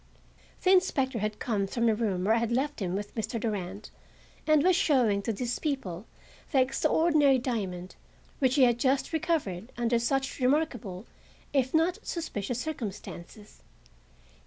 The inspector had come from the room where I had left him with Mr. Durand and was showing to these people the extraordinary diamond, which he had just recovered under such remarkable if not suspicious circumstances.